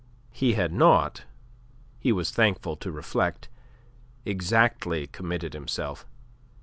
He had not he was thankful to reflect exactly committed himself.